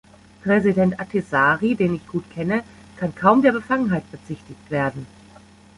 Präsident Ahtisaari, den ich gut kenne, kann kaum der Befangenheit bezichtigt werden.